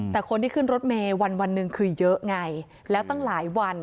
แต่คนที่ขึ้นรถเมย์วันหนึ่งคือเยอะไงแล้วตั้งหลายวัน